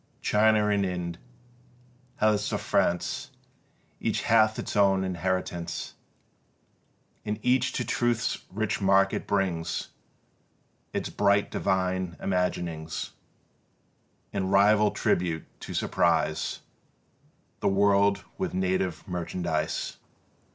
China and Ind, Hellas or France, Each hath its own inheritance; And each to Truth's rich market brings Its bright divine imaginings, In rival tribute to surprise The world with native merchandise.